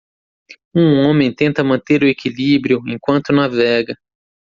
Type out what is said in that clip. Um homem tenta manter o equilíbrio enquanto navega